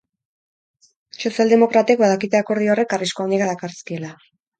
Sozialdemokratek badakite akordio horrek arrisku handiak dakarzkiela.